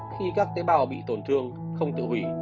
khi các tế bào bị tổn thương không tiêu hủy